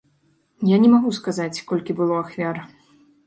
Я не магу сказаць, колькі было ахвяр.